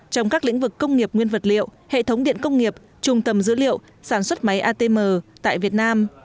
trong các lĩnh vực công nghiệp nguyên vật liệu hệ thống điện công nghiệp trung tầm dữ liệu sản xuất máy atm tại việt nam